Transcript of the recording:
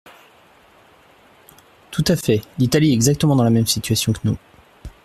Tout à fait ! L’Italie est exactement dans la même situation que nous.